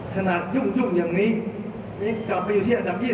ขนาดยุ่งอย่างนี้นี่กลับไปอยู่ที่อาจารย์๒๑เลย